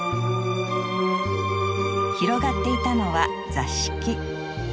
広がっていたのは座敷。